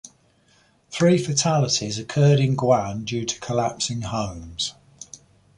Three fatalities occurred in Guane due to collapsing homes.